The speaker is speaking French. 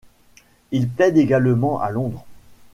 Il plaide également à Londres.